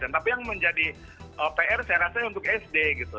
tapi yang menjadi pr saya rasa untuk sd gitu